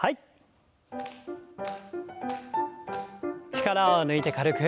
力を抜いて軽く。